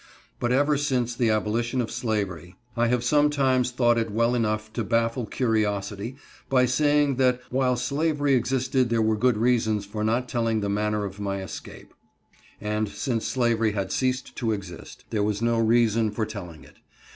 But even since the abolition of slavery, I have sometimes thought it well enough to baffle curiosity by saying that while slavery existed there were good reasons for not telling the manner of my escape, and since slavery had ceased to exist, there was no reason for telling it.